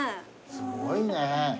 すごいね。